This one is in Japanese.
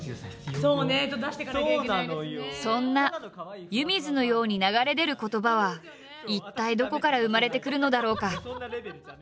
そんな湯水のように流れ出る言葉は一体どこから生まれてくるのだろうか？